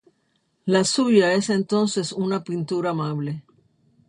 La suya es entonces una pintura amable.